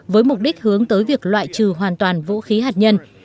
với mục đích hướng tới việc loại trừ hoàn toàn vũ khí hạt nhân